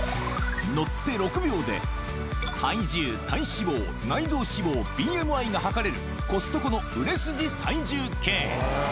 乗って６秒で体重、体脂肪、内臓脂肪、ＢＭＩが量れるコストコの売れ筋体重計。